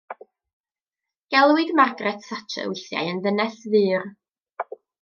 Gelwid Margaret Thatcher weithiau yn Ddynes Ddur.